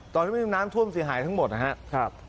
ตอนนี้มีน้ำท่วมเสียหายทั้งหมดนะฮะ